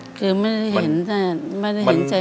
คือไม่ได้เห็นใจแม่